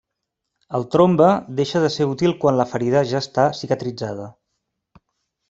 El trombe deixa de ser útil quan la ferida ja està cicatritzada.